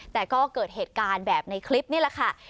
แต่ก็เกิดเหตุการณ์แบบในคลิปนี่แหละค่ะ